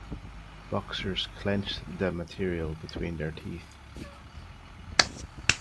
Boxers clenched the material between their teeth.